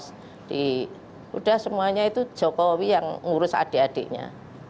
sudah semuanya itu jokowi yang ngurus adik adiknya